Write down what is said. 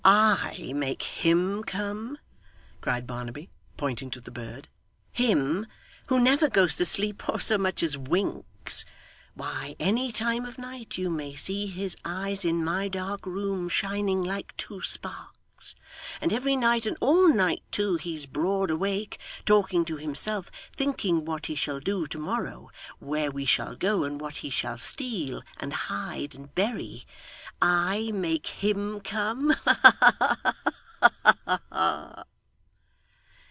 'I make HIM come?' cried Barnaby, pointing to the bird. 'Him, who never goes to sleep, or so much as winks! Why, any time of night, you may see his eyes in my dark room, shining like two sparks. And every night, and all night too, he's broad awake, talking to himself, thinking what he shall do to morrow, where we shall go, and what he shall steal, and hide, and bury. I make HIM come! Ha ha ha!